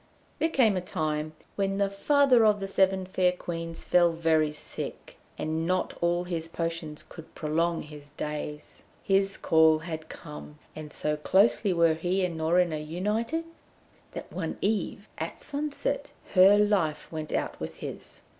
There came a time when the father of the Seven Fair Queens fell very sick, and not all his potions could prolong his days. His call had come, and so closely were he and Norina united, that one eve at sunset her life went out with his.